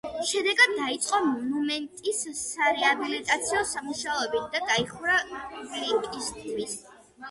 შედეგად დაიწყო მონუმენტის სარეაბილიტაციო სამუშაოები და დაიხურა პუბლიკისთვის.